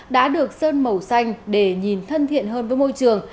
đã được sơn màu xanh để nhìn thân thiện hơn với môi trường